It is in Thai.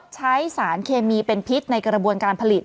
ใช้สารเคมีเป็นพิษในกระบวนการผลิต